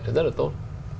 rất là tốt